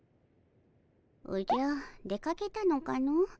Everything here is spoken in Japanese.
おじゃ出かけたのかの？